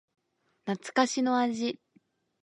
懐かしの味